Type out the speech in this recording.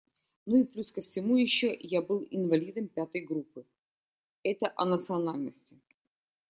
Ну и плюс ко всему еще я был «инвалидом пятой группы» - это о национальности.